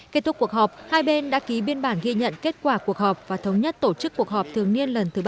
kết thúc cuộc họp hai bên đã ký biên bản ghi nhận kết quả cuộc họp và thống nhất tổ chức cuộc họp thường niên lần thứ ba mươi